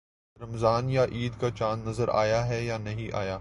رمضان یا عید کا چاند نظر آیا ہے یا نہیں آیا